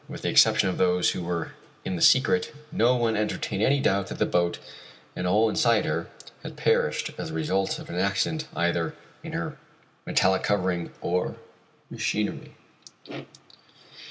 Therefore, with the exception of those who were in the secret, no one entertained any doubt that the boat and all inside her had perished as the result of an accident either to her metallic covering or machinery.